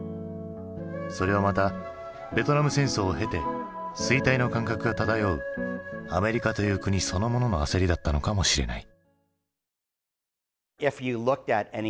それはまたベトナム戦争を経て衰退の感覚が漂うアメリカという国そのものの焦りだったのかもしれない。